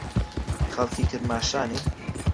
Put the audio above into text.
خەڵکی کرماشانی؟